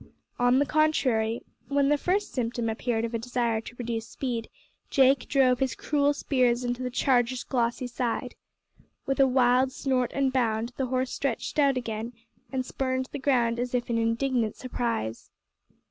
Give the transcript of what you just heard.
On the contrary, when the first symptom appeared of a desire to reduce speed Jake drove his cruel spurs into the charger's glossy side. With a wild snort and bound the horse stretched out again and spurned the ground as if in indignant surprise.